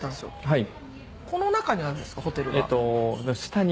はい。